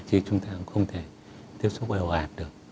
chứ chúng ta cũng không thể tiếp xúc ồ ạt được